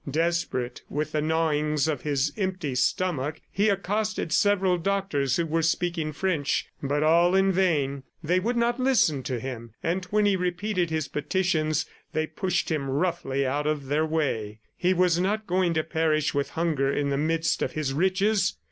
Desperate with the gnawings of his empty stomach, he accosted several doctors who were speaking French, but all in vain. They would not listen to him, and when he repeated his petitions they pushed him roughly out of their way. ... He was not going to perish with hunger in the midst of his riches!